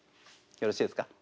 よろしいですか？